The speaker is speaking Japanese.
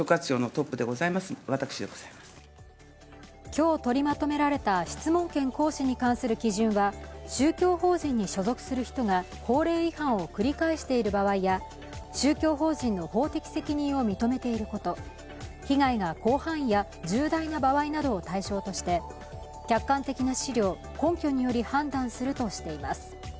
今日取りまとめられた質問権行使に関する基準は宗教法人に所属する人が法令違反を繰り返している場合や宗教法人の法的責任を認めていること、被害が広範囲や重大な場合などを対象として客観的な資料、根拠により判断するとしています。